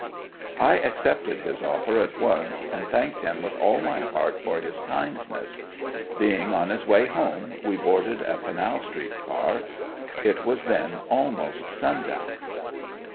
I accepted his offer at once and thanked him with all my heart for his kindness. Being on his way home, we boarded a Canal street car. It was then almost sundown.